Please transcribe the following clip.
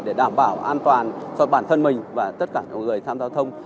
để đảm bảo an toàn cho bản thân mình và tất cả người tham gia thông